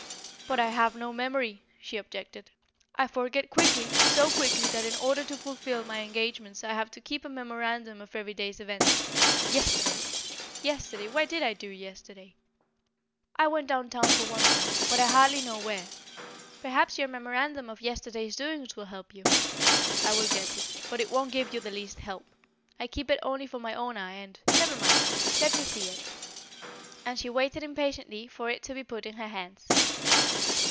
"But, I have no memory," she objected. "I forget quickly, so quickly that in order to fulfill my engagements I have to keep a memorandum of every day's events. Yesterday? yesterday? What did I do yesterday? I went downtown for one thing, but I hardly know where." "Perhaps your memorandum of yesterday's doings will help you." "I will get it. But it won't give you the least help. I keep it only for my own eye, and " "Never mind; let me see it." And she waited impatiently for it to be put in her hands.